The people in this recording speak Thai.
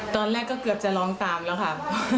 ตอนแรกก็เกือบจะร้องตามแล้วค่ะ